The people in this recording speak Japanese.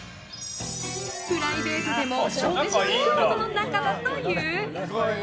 プライベートでも食事に行くほどの仲だという。